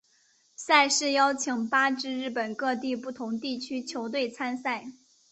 赛事邀请八支日本各地不同地区球队参赛。